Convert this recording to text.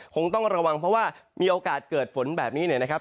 คงต้องระวังเพราะว่ามีโอกาสเกิดฝนแบบนี้เนี่ยนะครับ